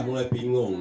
sudah mulai bingung